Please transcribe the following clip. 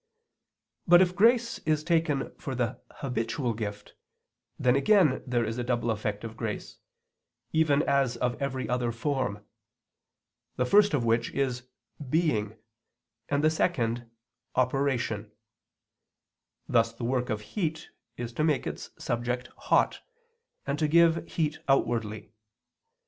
But if grace is taken for the habitual gift, then again there is a double effect of grace, even as of every other form; the first of which is being, and the second, operation; thus the work of heat is to make its subject hot, and to give heat outwardly.